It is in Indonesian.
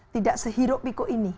tidak sehiru piku ini